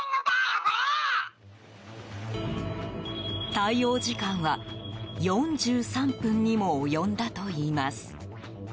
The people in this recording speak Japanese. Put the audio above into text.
対応時間は４３分にも及んだといいます。